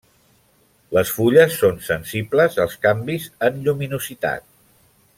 Les fulles són sensibles als canvis en lluminositat.